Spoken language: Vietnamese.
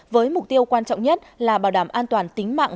với mục tiêu quan trọng nhất là bảo đảm an toàn tính mạng